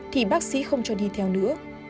thì bác sĩ không cho đi theo nữa